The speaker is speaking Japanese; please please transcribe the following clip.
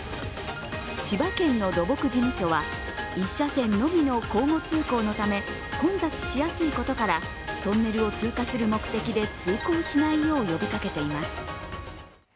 千葉県の土木事務所は、１車線のみの交互通行のため混雑しやすいことからトンネルを通過する目的で通行しないよう呼びかけています。